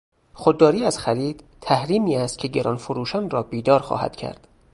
خودداری از خرید تحریمی است که گرانفروشان را بیدار خواهد کرد.